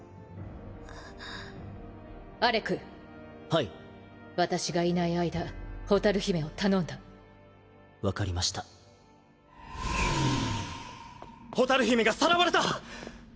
あっアレクはい私がいない間蛍姫を分かりました蛍姫がさらわれた！